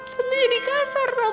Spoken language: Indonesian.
tante jadi kasar sama opi